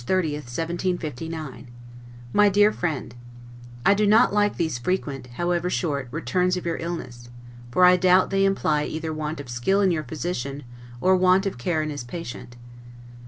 LETTER CCXLI LONDON, March 30, 1759 MY DEAR FRIEND: I do not like these frequent, however short, returns of your illness; for I doubt they imply either want of skill in your physician, or want of care in his patient.